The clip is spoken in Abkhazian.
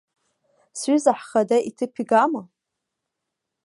Сҩыза ҳхада иҭыԥ игама?